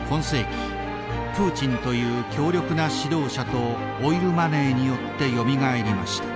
プーチンという強力な指導者とオイルマネーによってよみがえりました。